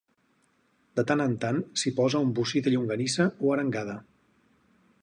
de tant en tant s'hi posa un bocí de llonganissa o arengada